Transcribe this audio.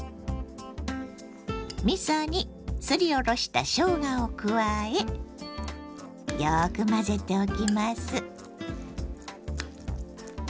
みそにすりおろしたしょうがを加えよく混ぜておきます。